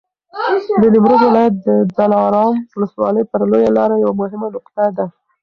د نیمروز ولایت دلارام ولسوالي پر لویه لاره یوه مهمه نقطه ده.